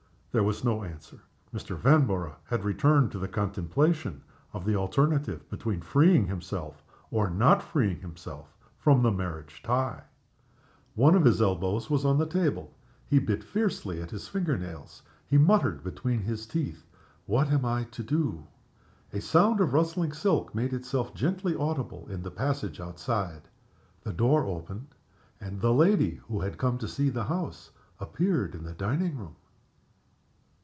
There was no answer. Mr. Vanborough had returned to the contemplation of the alternative between freeing himself or not freeing himself from the marriage tie. One of his elbows was on the table, he bit fiercely at his finger nails. He muttered between his teeth, "What am I to do?" A sound of rustling silk made itself gently audible in the passage outside. The door opened, and the lady who had come to see the house appeared in the dining room.